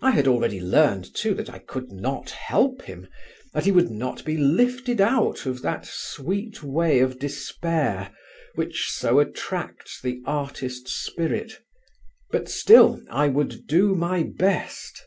I had already learned too that I could not help him; that he would not be lifted out of that "sweet way of despair," which so attracts the artist spirit. But still I would do my best.